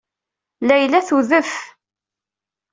Layla tudef.